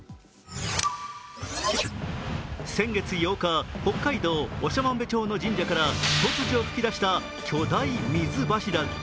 先月８日、北海道長万部町の神社から突如噴き出した巨大水柱。